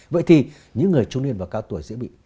vậy thì những người trung niên và cao tuổi dễ bị